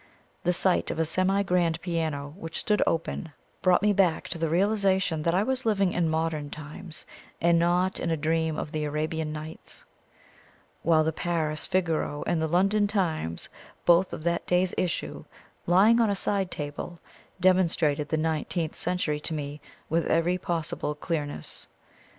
The sight of a semi grand piano, which stood open, brought me back to the realization that I was living in modern times, and not in a dream of the Arabian Nights; while the Paris Figaro and the London Times both of that day's issue lying on a side table, demonstrated the nineteenth century to me with every possible clearness.